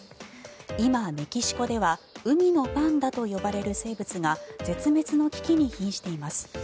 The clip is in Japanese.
今、メキシコでは海のパンダと呼ばれる生物が絶滅の危機にひんしています。